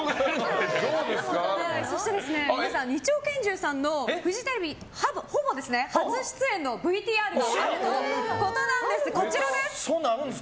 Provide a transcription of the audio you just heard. そして皆さん、２丁拳銃さんのフジテレビほぼ初出演のＶＴＲがあるということなんです。